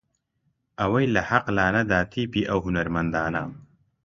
ئەوەی لە حەق لا نەدا تیپی ئەو هونەرمەندانە